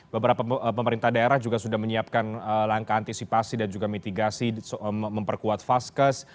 beberapa pemerintah daerah juga sudah menyiapkan langkah antisipasi dan juga mitigasi memperkuat vaskes